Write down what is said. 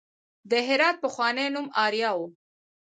د هرات پخوانی نوم اریا و